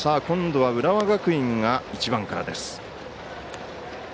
今度は浦和学院が１番からです。